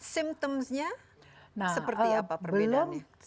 symptoms nya seperti apa perbedaannya